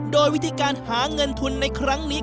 โดยวิธีการหาเงินทุนในครั้งนี้